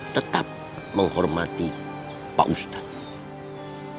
tetap menghormati pak ustadz